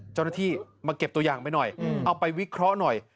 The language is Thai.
เจ้าหน้าที่มาเก็บตัวอย่างไปหน่อยเอาไปวิเคราะห์หน่อย